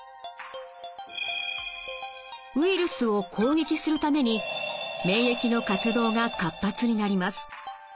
ウイルスを攻撃するために免疫の活動が活発になります。